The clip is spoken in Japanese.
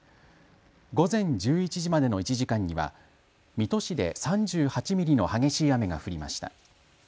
午前１１時までの１時間には水戸市で３８ミリの激しい雨が降りました。